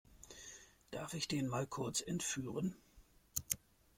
Darf ich den mal kurz entführen?